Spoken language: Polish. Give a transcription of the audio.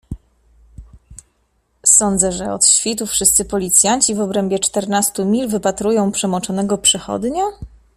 "Sądzę, że od świtu wszyscy policjanci w obrębie czternastu mil wypatrują przemoczonego przechodnia?"